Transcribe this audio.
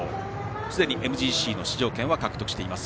すでにＭＧＣの出場権は獲得しています。